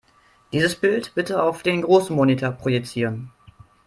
Dieses Bild bitte auf den großen Monitor projizieren.